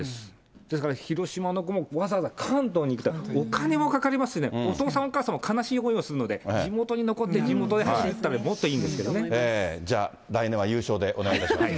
ですから広島の子も、わざわざ関東に来て、お金もかかりますしね、お父さん、お母さんも悲しい思いをするので、地元に残って地元でじゃあ、来年は優勝でお願いします。